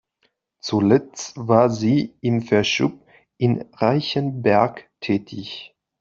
Zuletzt war sie im Verschub in Reichenberg tätig.